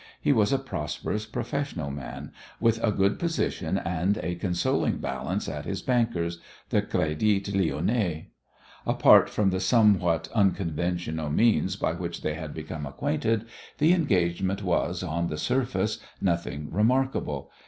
He was a prosperous professional man, with a good position and a consoling balance at his bankers, the Crédit Lyonnais. Apart from the somewhat unconventional means by which they had become acquainted, the engagement was, on the surface, nothing remarkable.